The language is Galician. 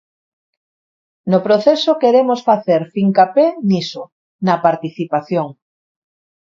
No proceso queremos facer fincapé niso, na participación.